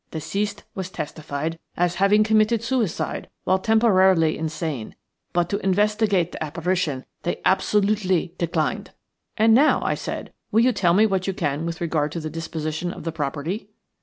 Deceased was testified as having committed suicide while temporarily insane, but to investigate the apparition they absolutely declined." "And now," I said, "will you tell me what you can with regard to the disposition of the property?"